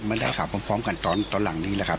ไม่ได้ถามพร้อมกันตอนหลังนี้แหละครับ